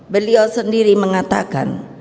beliau sendiri mengatakan